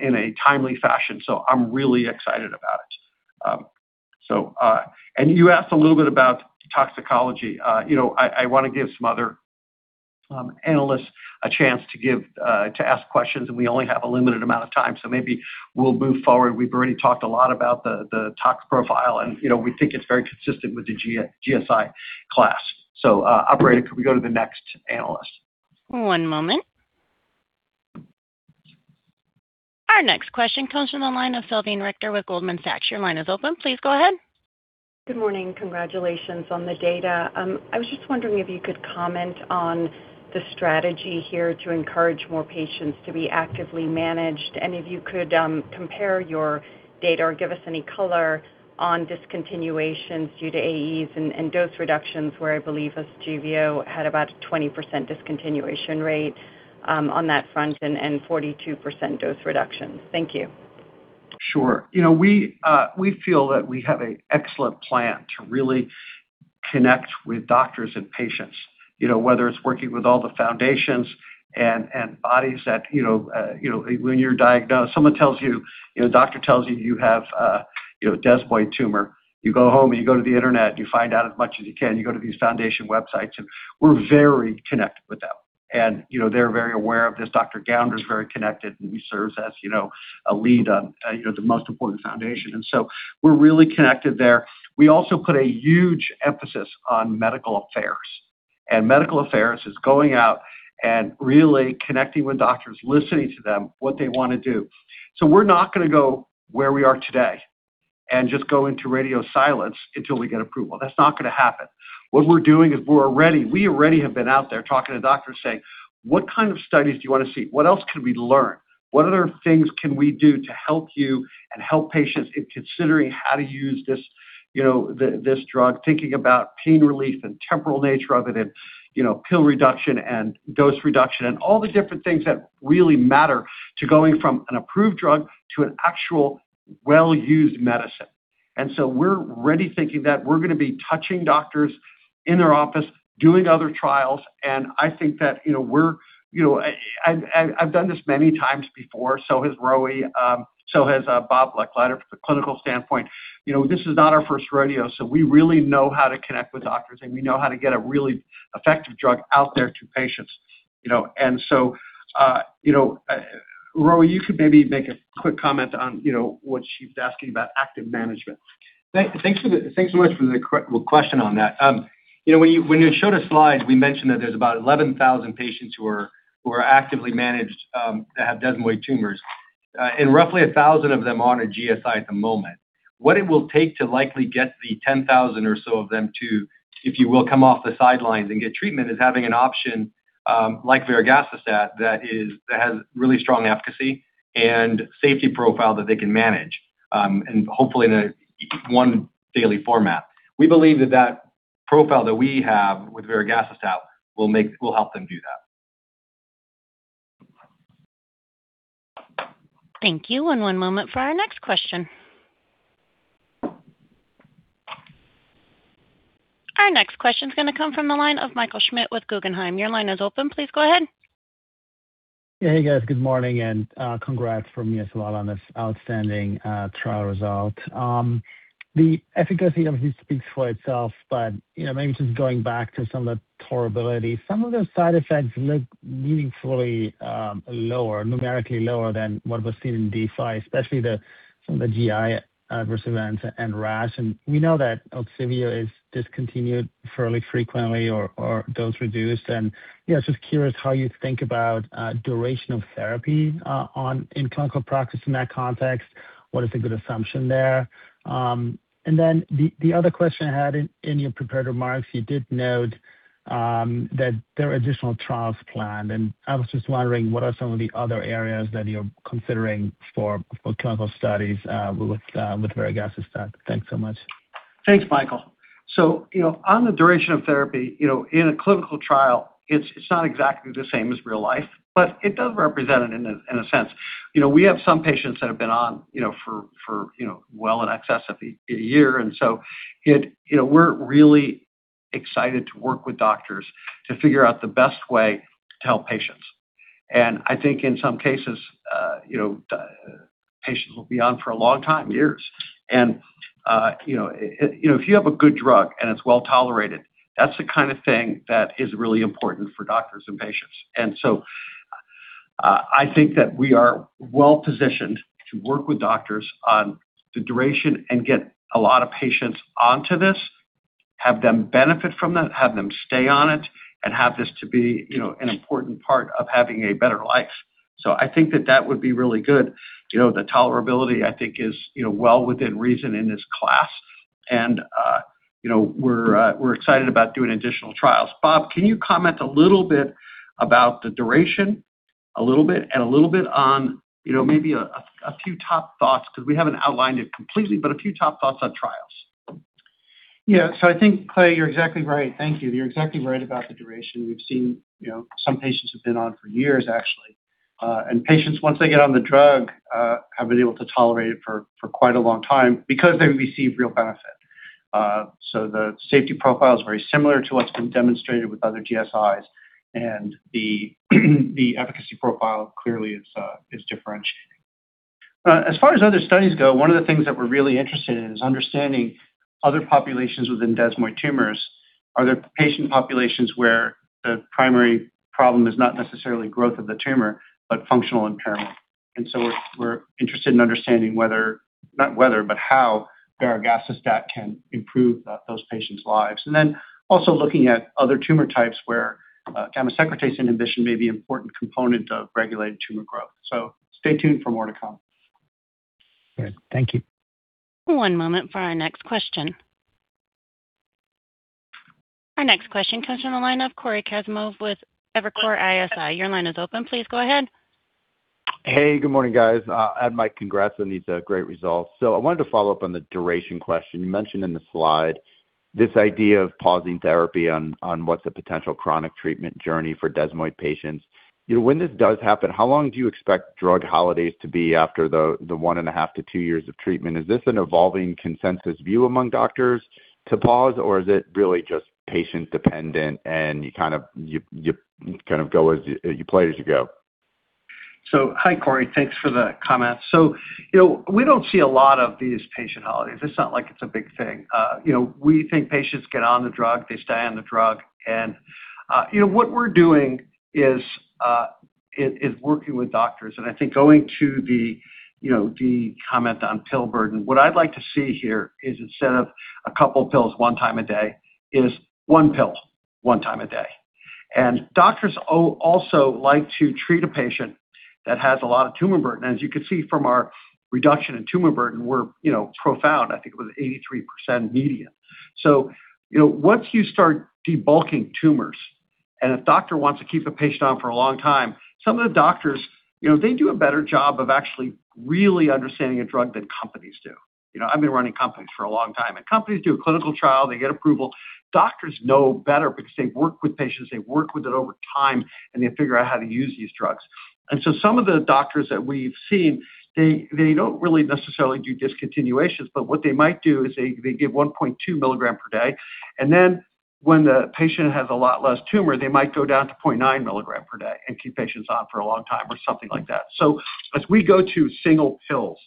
in a timely fashion. I'm really excited about it. You asked a little bit about toxicology. I want to give some other analysts a chance to ask questions, and we only have a limited amount of time. Maybe we'll move forward. We've already talked a lot about the tox profile, and we think it's very consistent with the GSI class. Operator, can we go to the next analyst? One moment. Our next question comes from the line of Salveen Richter with Goldman Sachs. Your line is open. Please go ahead. Good morning. Congratulations on the data. I was just wondering if you could comment on the strategy here to encourage more patients to be actively managed. And if you could compare your data or give us any color on discontinuations due to AEs and dose reductions where I believe Ogsiveo had about a 20% discontinuation rate on that front and 42% dose reductions. Thank you. Sure. We feel that we have an excellent plan to really connect with doctors and patients, whether it's working with all the foundations and bodies that when you're diagnosed, someone tells you, a doctor tells you you have a desmoid tumor, you go home and you go to the internet and you find out as much as you can. You go to these foundation websites, and we're very connected with them. And they're very aware of this. Dr. Gounder is very connected, and he serves as a lead on the most important foundation. And so we're really connected there. We also put a huge emphasis on medical affairs. And medical affairs is going out and really connecting with doctors, listening to them, what they want to do. So we're not going to go where we are today and just go into radio silence until we get approval. That's not going to happen. What we're doing is we already have been out there talking to doctors saying, "What kind of studies do you want to see? What else can we learn? What other things can we do to help you and help patients in considering how to use this drug, thinking about pain relief and temporal nature of it and pill reduction and dose reduction and all the different things that really matter to going from an approved drug to an actual well-used medicine?" And so we're already thinking that. We're going to be touching doctors in their office, doing other trials. And I think that we're. I've done this many times before, so has Roee, so has Bob Lechleider for the clinical standpoint. This is not our first rodeo, so we really know how to connect with doctors, and we know how to get a really effective drug out there to patients, and so, Roee, you could maybe make a quick comment on what she was asking about active management. Thanks so much for the question on that. When you showed a slide, we mentioned that there's about 11,000 patients who are actively managed that have desmoid tumors, and roughly 1,000 of them are on a GSI at the moment. What it will take to likely get the 10,000 or so of them to, if you will, come off the sidelines and get treatment is having an option like varegacestat that has really strong efficacy and safety profile that they can manage and hopefully in a one-daily format. We believe that that profile that we have with varegacestat will help them do that. Thank you. And one moment for our next question. Our next question is going to come from the line of Michael Schmidt with Guggenheim. Your line is open. Please go ahead. Hey, guys. Good morning. And congrats from me as well on this outstanding trial result. The efficacy of these speaks for itself, but maybe just going back to some of the tolerability, some of those side effects look meaningfully lower, numerically lower than what was seen in DeFi, especially some of the GI adverse events and rash. And we know that Ogsiveo is discontinued fairly frequently or dose-reduced. And yeah, just curious how you think about duration of therapy in clinical practice in that context. What is a good assumption there? And then the other question I had in your prepared remarks, you did note that there are additional trials planned. And I was just wondering, what are some of the other areas that you're considering for clinical studies with varegacestat? Thanks so much. Thanks, Michael. So on the duration of therapy, in a clinical trial, it's not exactly the same as real life, but it does represent it in a sense. We have some patients that have been on for well in excess of a year. And so we're really excited to work with doctors to figure out the best way to help patients. And I think in some cases, patients will be on for a long time, years. And if you have a good drug and it's well tolerated, that's the kind of thing that is really important for doctors and patients. And so I think that we are well positioned to work with doctors on the duration and get a lot of patients onto this, have them benefit from that, have them stay on it, and have this to be an important part of having a better life. So, I think that that would be really good. The tolerability, I think, is well within reason in this class. And we're excited about doing additional trials. Bob, can you comment a little bit about the duration, a little bit, and a little bit on maybe a few top thoughts? Because we haven't outlined it completely, but a few top thoughts on trials. Yeah. So, I think, Clay, you're exactly right. Thank you. You're exactly right about the duration. We've seen some patients have been on for years, actually. And patients, once they get on the drug, have been able to tolerate it for quite a long time because they've received real benefit. So the safety profile is very similar to what's been demonstrated with other GSIs, and the efficacy profile clearly is differentiated. As far as other studies go, one of the things that we're really interested in is understanding other populations within desmoid tumors. Are there patient populations where the primary problem is not necessarily growth of the tumor, but functional impairment? And so we're interested in understanding whether, not whether, but how varegacestat can improve those patients' lives. And then also looking at other tumor types where gamma secretase inhibition may be an important component of regulated tumor growth. Stay tuned for more to come. Thank you. One moment for our next question. Our next question comes from the line of Cory Kasimov with Evercore ISI. Your line is open. Please go ahead. Hey, good morning, guys. I'd like to congratulate. Indeed a great result. So I wanted to follow up on the duration question. You mentioned in the slide this idea of pausing therapy on what's a potential chronic treatment journey for desmoid patients. When this does happen, how long do you expect drug holidays to be after the one-and-a-half to two years of treatment? Is this an evolving consensus view among doctors to pause, or is it really just patient-dependent, and you kind of go as you please as you go? So hi, Cory. Thanks for the comment. So we don't see a lot of these patient holidays. It's not like it's a big thing. We think patients get on the drug, they stay on the drug. And what we're doing is working with doctors. And I think going to the comment on pill burden, what I'd like to see here is instead of a couple of pills one time a day, is one pill one time a day. And doctors also like to treat a patient that has a lot of tumor burden. And as you can see from our reduction in tumor burden, we're profound. I think it was 83% median. So once you start debulking tumors, and a doctor wants to keep a patient on for a long time, some of the doctors, they do a better job of actually really understanding a drug than companies do. I've been running companies for a long time, and companies do a clinical trial. They get approval. Doctors know better because they've worked with patients. They've worked with it over time, and they figure out how to use these drugs, and so some of the doctors that we've seen, they don't really necessarily do discontinuations, but what they might do is they give 1.2 milligrams per day, and then when the patient has a lot less tumor, they might go down to 0.9 milligrams per day and keep patients on for a long time or something like that, so as we go to single pills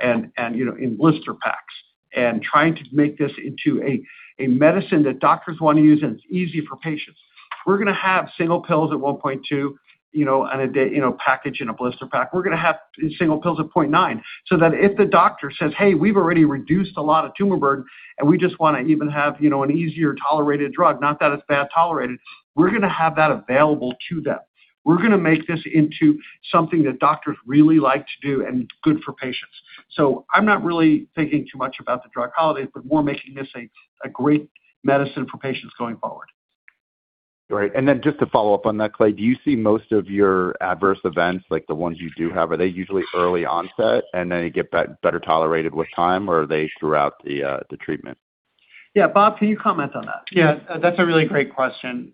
and in blister packs and trying to make this into a medicine that doctors want to use and it's easy for patients, we're going to have single pills at 1.2 on a day package in a blister pack. We're going to have single pills at 0.9 so that if the doctor says, "Hey, we've already reduced a lot of tumor burden, and we just want to even have an easier tolerated drug, not that it's bad tolerated," we're going to have that available to them. We're going to make this into something that doctors really like to do and good for patients. So I'm not really thinking too much about the drug holidays, but more making this a great medicine for patients going forward. Right. And then just to follow up on that, Clay, do you see most of your adverse events, like the ones you do have, are they usually early onset and then they get better tolerated with time, or are they throughout the treatment? Yeah. Bob, can you comment on that? Yeah. That's a really great question.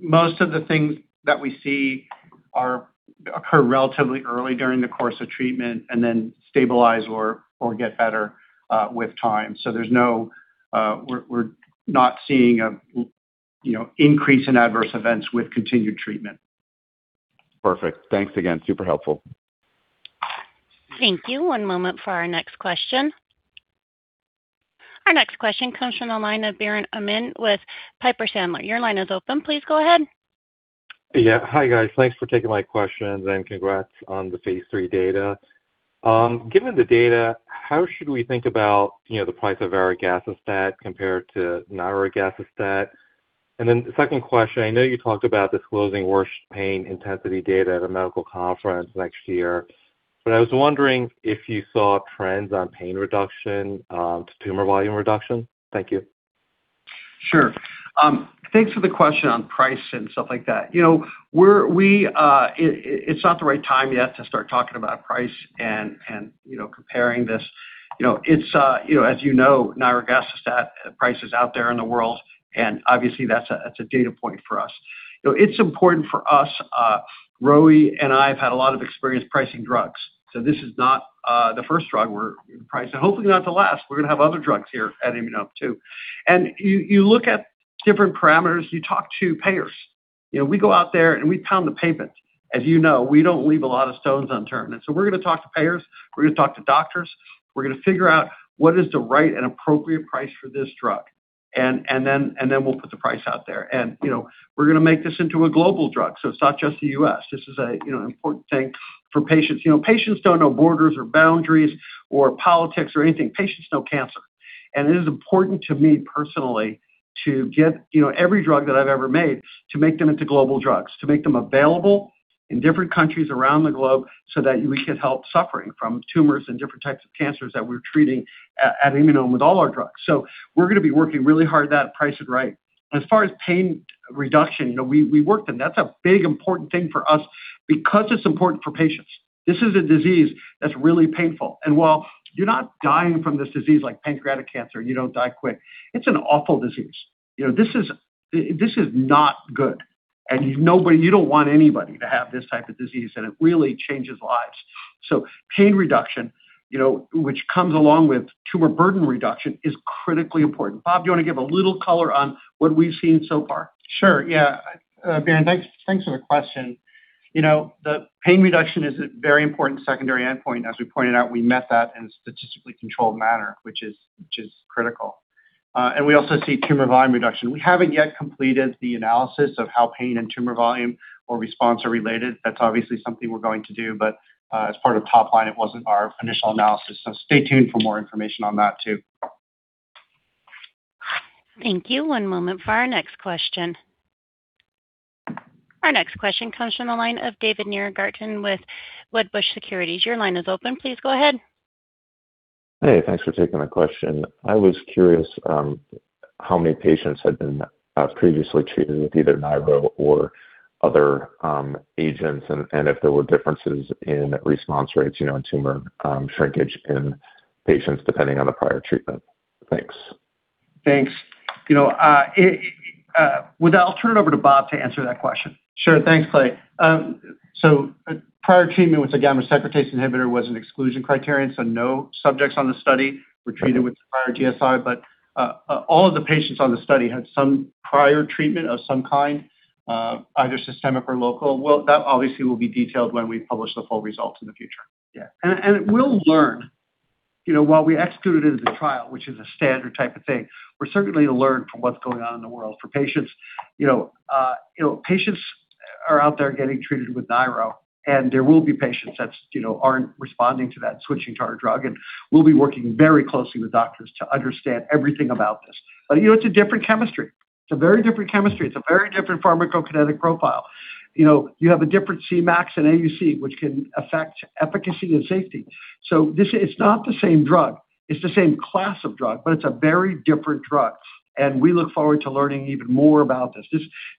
Most of the things that we see occur relatively early during the course of treatment and then stabilize or get better with time. So we're not seeing an increase in adverse events with continued treatment. Perfect. Thanks again. Super helpful. Thank you. One moment for our next question. Our next question comes from the line of Biren Amin with Piper Sandler. Your line is open. Please go ahead. Yeah. Hi, guys. Thanks for taking my questions. And congrats on the Phase 3 data. Given the data, how should we think about the price of varegacestat compared to nirogacestat? And then the second question, I know you talked about disclosing worst pain intensity data at a medical conference next year, but I was wondering if you saw trends on pain reduction to tumor volume reduction. Thank you. Sure. Thanks for the question on price and stuff like that. It's not the right time yet to start talking about price and comparing this. As you know, nirogacestat price is out there in the world, and obviously, that's a data point for us. It's important for us. Roee and I have had a lot of experience pricing drugs. So this is not the first drug we're pricing. Hopefully, not the last. We're going to have other drugs here at Immunome too. And you look at different parameters. You talk to payers. We go out there and we pound the pavement. As you know, we don't leave a lot of stones unturned. And so we're going to talk to payers. We're going to talk to doctors. We're going to figure out what is the right and appropriate price for this drug. And then we'll put the price out there. We're going to make this into a global drug. So it's not just the U.S. This is an important thing for patients. Patients don't know borders or boundaries or politics or anything. Patients know cancer. And it is important to me personally to get every drug that I've ever made to make them into global drugs, to make them available in different countries around the globe so that we can help suffering from tumors and different types of cancers that we're treating at Immunome with all our drugs. So we're going to be working really hard at that pricing, right. As far as pain reduction, we worked on that. That's a big important thing for us because it's important for patients. This is a disease that's really painful. And while you're not dying from this disease like pancreatic cancer, you don't die quickly. It's an awful disease. This is not good, and you don't want anybody to have this type of disease, and it really changes lives. So pain reduction, which comes along with tumor burden reduction, is critically important. Bob, do you want to give a little color on what we've seen so far? Sure. Yeah. Biren, thanks for the question. The pain reduction is a very important secondary endpoint. As we pointed out, we met that in a statistically controlled manner, which is critical, and we also see tumor volume reduction. We haven't yet completed the analysis of how pain and tumor volume or response are related. That's obviously something we're going to do, but as part of top-line, it wasn't our initial analysis, so stay tuned for more information on that too. Thank you. One moment for our next question. Our next question comes from the line of David Nierengarten with Wedbush Securities. Your line is open. Please go ahead. Hey, thanks for taking my question. I was curious how many patients had been previously treated with either Niro or other agents and if there were differences in response rates and tumor shrinkage in patients depending on the prior treatment? Thanks. Thanks. With that, I'll turn it over to Bob to answer that question. Sure. Thanks, Clay. So prior treatment with a gamma secretase inhibitor was an exclusion criterion. So no subjects on the study were treated with prior GSI, but all of the patients on the study had some prior treatment of some kind, either systemic or local. Well, that obviously will be detailed when we publish the full results in the future. Yeah, and we'll learn. While we executed it as a trial, which is a standard type of thing, we're certainly going to learn from what's going on in the world. For patients, patients are out there getting treated with nirogacestat, and there will be patients that aren't responding to that and switching to our drug, and we'll be working very closely with doctors to understand everything about this, but it's a different chemistry. It's a very different chemistry. It's a very different pharmacokinetic profile. You have a different CMAX and AUC, which can affect efficacy and safety, so it's not the same drug. It's the same class of drug, but it's a very different drug, and we look forward to learning even more about this.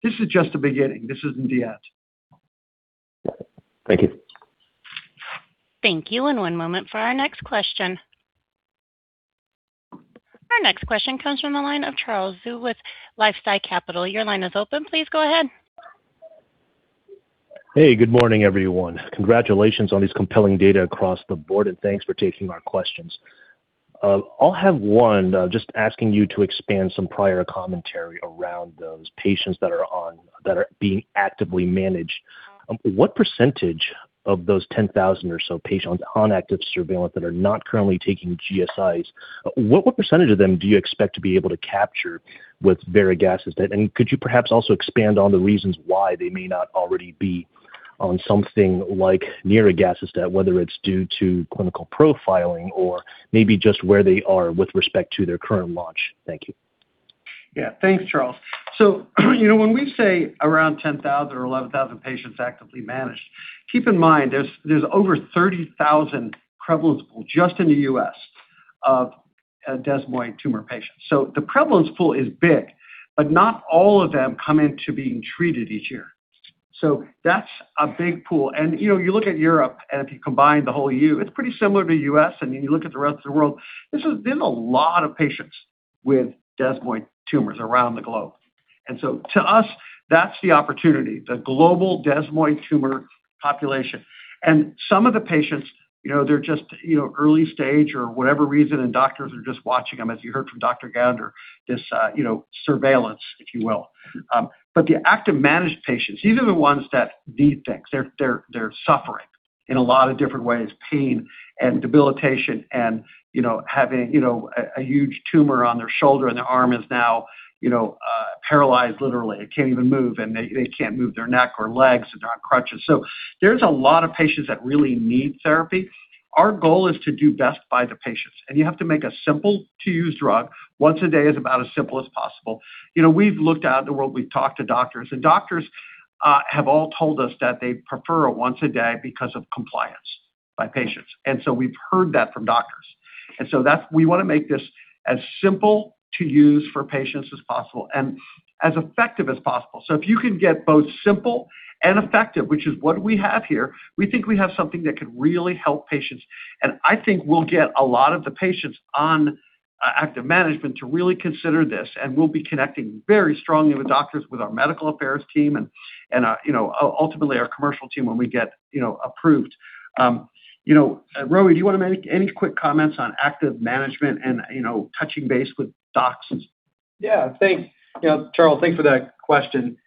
This is just the beginning. This isn't the end. Got it. Thank you. Thank you. And one moment for our next question. Our next question comes from the line of Charles Zhu with LifeSci Capital. Your line is open. Please go ahead. Hey, good morning, everyone. Congratulations on these compelling data across the board, and thanks for taking our questions. I'll have one just asking you to expand some prior commentary around those patients that are being actively managed. What percentage of those 10,000 or so patients on active surveillance that are not currently taking GSIs, what percentage of them do you expect to be able to capture with varegacestat? And could you perhaps also expand on the reasons why they may not already be on something like nirogacestat, whether it's due to clinical profiling or maybe just where they are with respect to their current launch? Thank you. Yeah. Thanks, Charles. So when we say around 10,000 or 11,000 patients actively managed, keep in mind there's over 30,000 prevalence pool just in the U.S. of desmoid tumor patients. So the prevalence pool is big, but not all of them come into being treated each year. So that's a big pool. And you look at Europe, and if you combine the whole EU, it's pretty similar to the U.S. And then you look at the rest of the world, there's a lot of patients with desmoid tumors around the globe. And so to us, that's the opportunity, the global desmoid tumor population. And some of the patients, they're just early stage or whatever reason, and doctors are just watching them, as you heard from Dr. Gounder, this surveillance, if you will. But the active managed patients, these are the ones that need things. They're suffering in a lot of different ways: pain and debilitation and having a huge tumor on their shoulder, and their arm is now paralyzed, literally. It can't even move, and they can't move their neck or legs, and they're on crutches, so there's a lot of patients that really need therapy. Our goal is to do best by the patients, and you have to make a simple-to-use drug. Once a day is about as simple as possible. We've looked out in the world. We've talked to doctors, and doctors have all told us that they prefer a once a day because of compliance by patients, and so we've heard that from doctors, and so we want to make this as simple to use for patients as possible and as effective as possible. So if you can get both simple and effective, which is what we have here, we think we have something that could really help patients. And I think we'll get a lot of the patients on active surveillance to really consider this. And we'll be connecting very strongly with doctors, with our medical affairs team, and ultimately our commercial team when we get approved. Roee, do you want to make any quick comments on active surveillance and touching base with docs? Yeah. Thanks, Charles. Thanks for that question.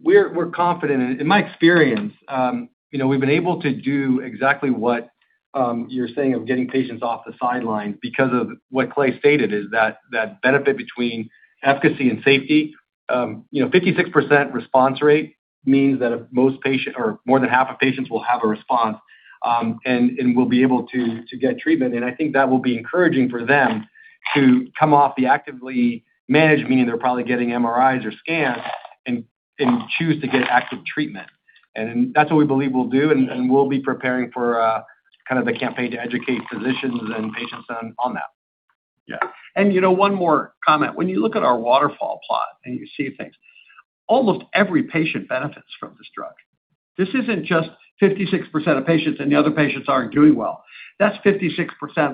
We're confident. In my experience, we've been able to do exactly what you're saying of getting patients off the sideline because of what Clay stated, is that benefit between efficacy and safety. 56% response rate means that more than half of patients will have a response and will be able to get treatment. And I think that will be encouraging for them to come off the actively managed, meaning they're probably getting MRIs or scans and choose to get active treatment. And that's what we believe we'll do. And we'll be preparing for kind of the campaign to educate physicians and patients on that. Yeah. And one more comment. When you look at our waterfall plot and you see things, almost every patient benefits from this drug. This isn't just 56% of patients and the other patients aren't doing well. That's 56%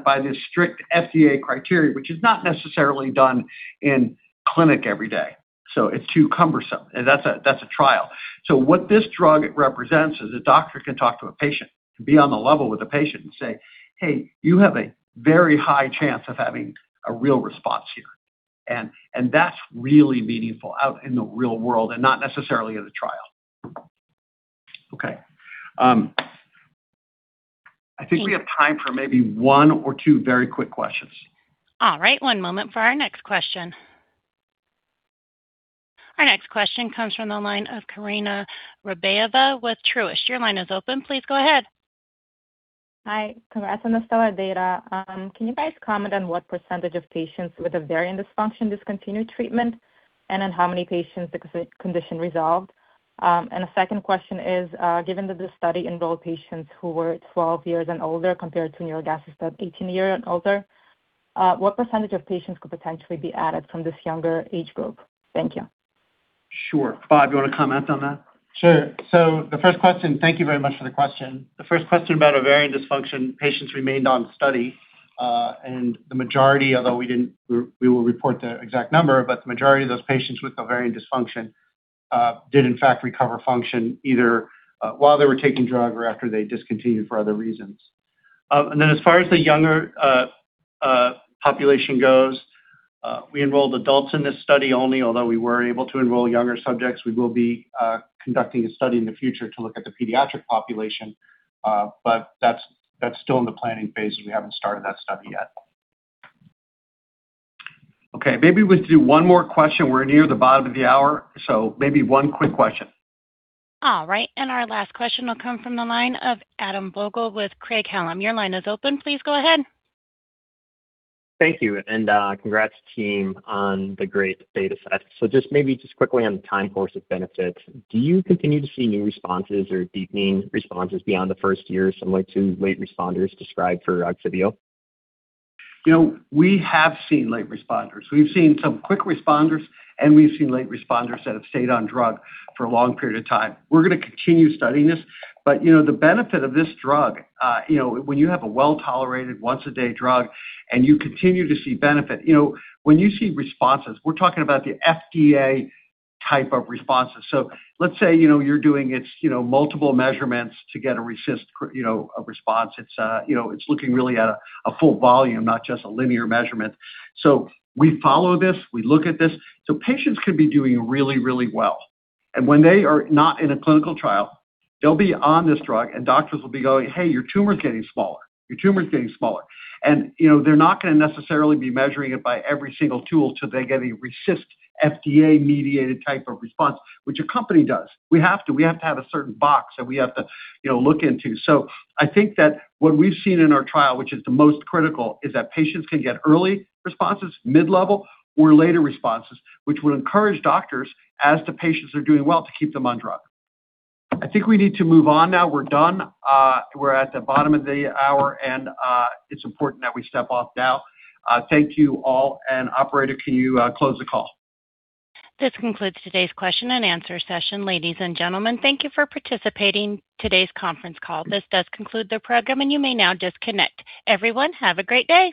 by this strict FDA criteria, which is not necessarily done in clinic every day. So it's too cumbersome. That's a trial. So what this drug represents is a doctor can talk to a patient and be on the level with a patient and say, "Hey, you have a very high chance of having a real response here." And that's really meaningful out in the real world and not necessarily in a trial. Okay. I think we have time for maybe one or two very quick questions. All right. One moment for our next question. Our next question comes from the line of Karina Rabayeva with Truist. Your line is open. Please go ahead. Hi. Congrats on the stellar data. Can you guys comment on what percentage of patients with an ovarian dysfunction discontinued treatment and then how many patients the condition resolved? And the second question is, given that the study involved patients who were 12 years and older compared to nirogacestat 18 years and older, what percentage of patients could potentially be added from this younger age group? Thank you. Sure. Bob, do you want to comment on that? Sure. So, the first question. Thank you very much for the question. The first question about ovarian dysfunction, patients remained on study. And the majority, although we will report the exact number, but the majority of those patients with ovarian dysfunction did, in fact, recover function either while they were taking drugs or after they discontinued for other reasons. And then, as far as the younger population goes, we enrolled adults in this study only, although we were able to enroll younger subjects. We will be conducting a study in the future to look at the pediatric population, but that's still in the planning phase. We haven't started that study yet. Okay. Maybe we have to do one more question. We're near the bottom of the hour. So maybe one quick question. All right. And our last question will come from the line of Adam Vogel with Craig-Hallum. Your line is open. Please go ahead. Thank you. And congrats team on the great data set. So just maybe just quickly on the time course of benefits. Do you continue to see new responses or deepening responses beyond the first year, similar to late responders described for Ogsiveo? We have seen late responders. We've seen some quick responders, and we've seen late responders that have stayed on drug for a long period of time. We're going to continue studying this, but the benefit of this drug, when you have a well-tolerated once-a-day drug and you continue to see benefit, when you see responses, we're talking about the FDA type of responses. So let's say you're doing multiple measurements to get a RECIST response. It's looking really at a full volume, not just a linear measurement. So we follow this. We look at this. So patients can be doing really, really well, and when they are not in a clinical trial, they'll be on this drug, and doctors will be going, "Hey, your tumor's getting smaller. Your tumor's getting smaller." And they're not going to necessarily be measuring it by every single tool to they get a RECIST FDA-mediated type of response, which a company does. We have to. We have to have a certain box that we have to look into. So I think that what we've seen in our trial, which is the most critical, is that patients can get early responses, mid-level, or later responses, which would encourage doctors, as the patients are doing well, to keep them on drug. I think we need to move on now. We're done. We're at the bottom of the hour, and it's important that we step off now. Thank you all, and operator, can you close the call? This concludes today's question and answer session. Ladies and gentlemen, thank you for participating in today's conference call. This does conclude the program, and you may now disconnect. Everyone, have a great day.